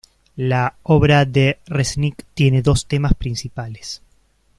La obra de Resnick tiene dos temas principales.